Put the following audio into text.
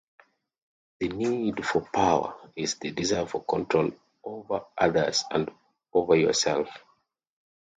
The Need for Power is the desire for control over others and over yourself.